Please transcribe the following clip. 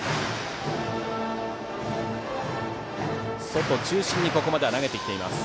外中心にここまで投げています。